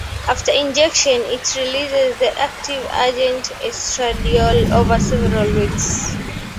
After injection, it releases the active agent estradiol over several weeks.